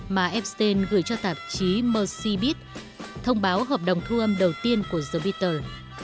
mà esten gửi cho tạp chí mercy beat thông báo hợp đồng thu âm đầu tiên của the beatles